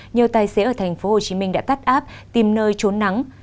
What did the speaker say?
nhiều tài xế ở thành phố hồ chí minh đã tắt áp tìm nơi trốn nắng